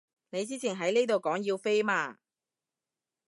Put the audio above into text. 你之前喺呢度講要飛嘛